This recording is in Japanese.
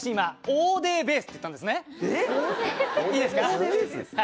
オーデーベース？